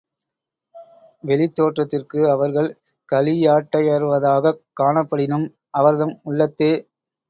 வெளித் தோற்றத்திற்கு அவர்கள் களியாட்டயர்வதாகக் காணப்படினும், அவர்தம் உள்ளத்தே,.